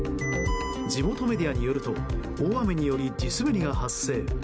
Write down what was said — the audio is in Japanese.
地元メディアによると大雨により地滑りが発生。